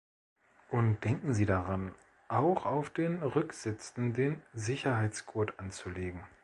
Und denken Sie daran, auch auf den Rücksitzen den Sicherheitsgurt anzulegen.